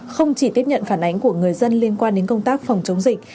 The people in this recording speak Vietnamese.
không chỉ tiếp nhận phản ánh của người dân liên quan đến công tác phòng chống dịch